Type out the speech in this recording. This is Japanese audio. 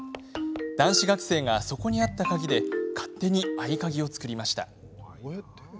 男子学生が、そこにあった鍵で勝手に合鍵を作りました。